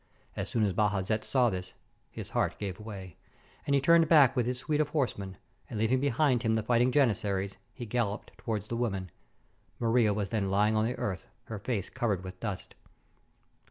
As soon as Baja zet saw this his heart gave way, and he turned back with his suite of horsemen, and, leaving behind him the fighting Janizaries, he galloped towards the women. Maria was then lying on the earth, her face covered with dust.